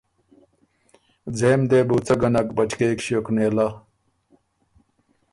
ځېم دې بو څۀ ګه نک بچکېک ݭیوک نېله۔